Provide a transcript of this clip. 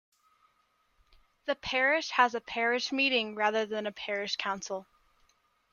The parish has a parish meeting rather than a parish council.